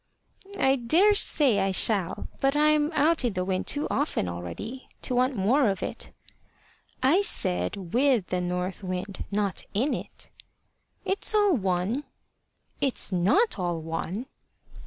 "I daresay I shall. But I'm out in the wind too often already to want more of it." "I said with the North Wind, not in it." "It's all one." "It's not all one."